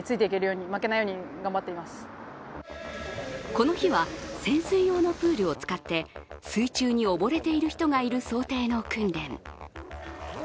この日は、潜水用のプールを使って水中に溺れている人がいる想定の訓練。